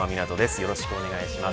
よろしくお願いします。